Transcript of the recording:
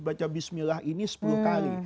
baca bismillah ini sepuluh kali